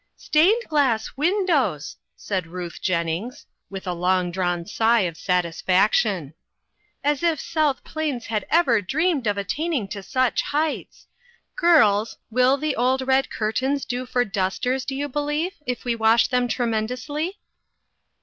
" Stained glass windows !" said Ruth Jen nings, with a long drawn sigh of satisfac tion. "As if South Plains had ever dreamed of attaining to such heights ! Girls, will the old red curtains do for dusters, do you be lieve, if we wash them tremendously